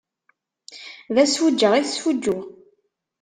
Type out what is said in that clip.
D asfuǧǧeɣ i tesfuǧǧuɣ.